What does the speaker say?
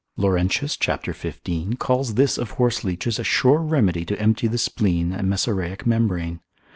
Laurentius cap. 15. calls this of horseleeches a sure remedy to empty the spleen and mesaraic membrane.